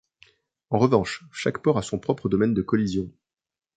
En revanche, chaque port a son propre domaine de collision.